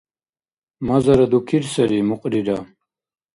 Мазара дукир сари, мукьрира!